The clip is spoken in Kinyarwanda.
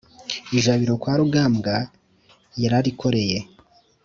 Ijabiro kwa rugambwa yararikoreye